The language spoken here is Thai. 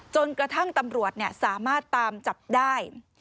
จนกระทั่งตำรวจสามารถตามจับได้